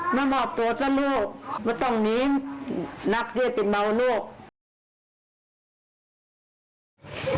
ฮะมาหมอบตัวจ้ะลูยังไม่ต้องหนีอื้อนักเย็นติเมามณลูก